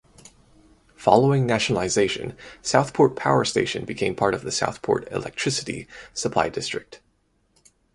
Following nationalisation Southport power station became part of the Southport electricity supply district.